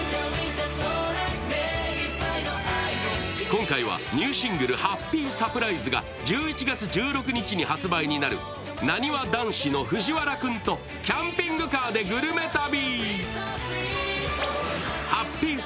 今回はニューシングル「ハッピーサプライズ」が１１月１６日に発売になるなにわ男子の藤原君と「キャンピングカーでグルメ旅」。